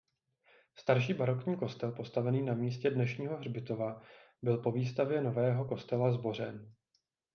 Starší barokní kostel postavený na místě dnešního hřbitova byl po výstavbě nového kostela zbořen.